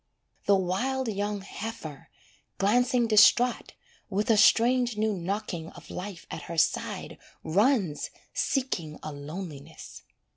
The wild young heifer, glancing distraught, With a strange new knocking of life at her side Runs seeking a loneliness.